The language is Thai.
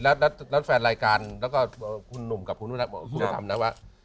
แล้วแฟนรายการแล้วก็คุณหนุ่มกับคุณผู้ทำนะว่า